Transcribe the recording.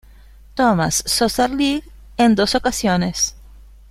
Thomas Soccer League en dos ocasiones.